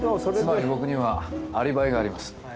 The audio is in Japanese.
つまり僕にはアリバイがあります。